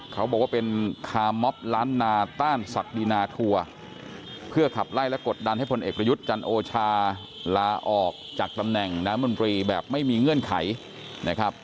เขาบอกว่าเป็นคาร์มอบล้านนาต้านศักดินาทัวร์เพื่อขับไล่และกดดันให้พลเอกประยุทธ์จันโอชาลาออกจากตำแหน่งน้ำมนตรีแบบไม่มีเงื่อนไขนะครับ